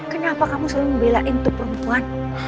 kenapa kamu selalu ngebelain tuh perempuan